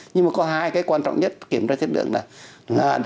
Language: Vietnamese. nhưng mà có hai cái quan trọng nhất kiểm tra chất lượng là